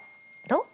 どう？